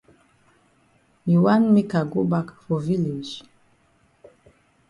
You wan make I go bak for village?